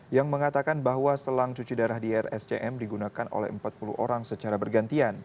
yang mengatakan bahwa selang cuci darah di rscm digunakan oleh empat puluh orang secara bergantian